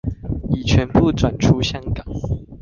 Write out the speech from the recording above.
已全部轉出香港